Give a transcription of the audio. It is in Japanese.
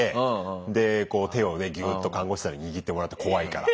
でこう手をねギュッと看護師さんに握ってもらって怖いから。